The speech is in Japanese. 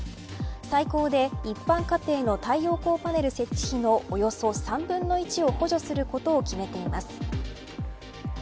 最高で一般家庭の太陽光パネル設置費のおよそ３分の１を補助することを決めています。